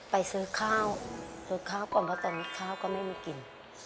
ไปซื้อข้าวซื้อข้าวก่อนเพราะตอนนี้ข้าวก็ไม่มีกิน